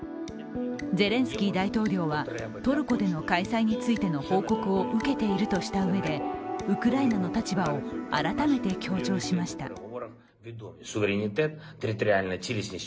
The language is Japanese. ゼレンスキー大統領はトルコでの開催についての報告を受けているとしたうえで、ウクライナの立場を改めて強調しました。